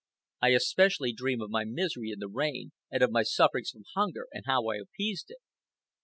I especially dream of my misery in the rain, and of my sufferings from hunger and how I appeased it.